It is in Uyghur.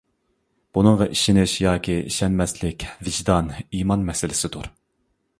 بۇنىڭغا ئىشىنىش ياكى ئىشەنمەسلىك ۋىجدان، ئىمان مەسىلىسىدۇر.